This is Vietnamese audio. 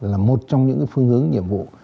là một trong những phương hướng nhiệm vụ